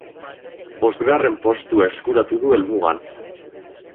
Bostgarren postua eskuratu du helmugan.